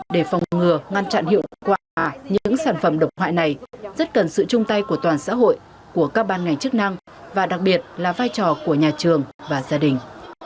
để phòng ngừa ngăn chặn hiệu quả những sản phẩm độc hoại này rất cần sự chung tay của toàn xã hội của các ban ngành chức năng và đặc biệt là vai trò của nhà trường và gia đình